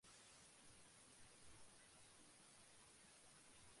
গ্রহতারকার অসম্মতি নেই এমন প্রস্তাবও ছিল তার মধ্যে।